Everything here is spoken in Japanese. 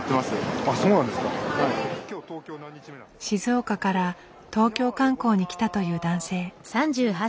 静岡から東京観光に来たという男性。